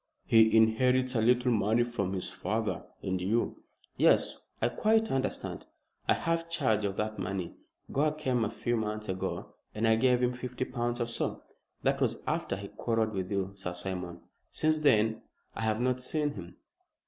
He inherits a little money from his father; and you " "Yes! I quite understand. I have charge of that money. Gore came a few months ago, and I gave him fifty pounds or so. That was after he quarrelled with you, Sir Simon. Since then I have not seen him."